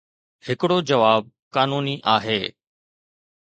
ھڪڙو جواب قانوني آھي.